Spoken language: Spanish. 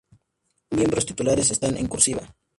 Miembros titulares están en "cursiva".